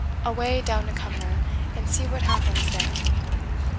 Away down to Cumnor, and see what happens there."